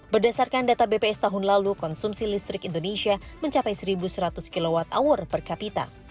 berdasarkan data bps tahun lalu konsumsi listrik indonesia mencapai satu seratus kwh per kapita